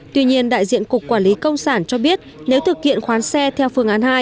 tuy nhiên đại diện cục quản lý công sản cho biết nếu thực hiện khoán xe theo phương án hai